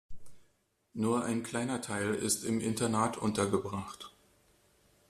Nur ein kleiner Teil ist im Internat untergebracht.